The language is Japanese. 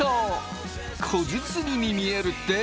小包に見えるって？